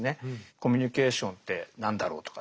コミュニケーションって何だろうとかですね